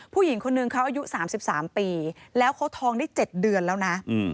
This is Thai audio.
ผู้หญิงคนนึงเขาอายุ๓๓ปีแล้วเขาทองได้๗เดือนแล้วนะ